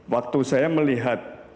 waktu saya melihat